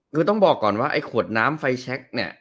คือต้องบอกก่อนว่าไอ้ขวดน้ำไฟแชคเนี่ย